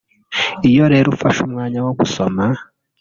Iyo rero ufashe umwanya wo gusoma